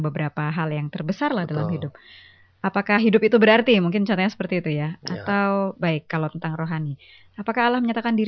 bahagia hingga sudah nanti